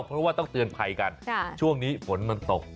เพราะว่าต้องเตือนภัยกันช่วงนี้ฝนมันตก